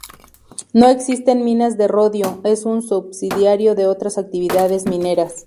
No existen minas de Rodio: es un subsidiario de otras actividades mineras.